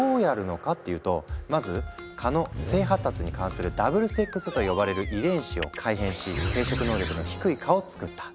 っていうとまず蚊の性発達に関係する「ダブルセックス」と呼ばれる遺伝子を改変し生殖能力の低い蚊を作った。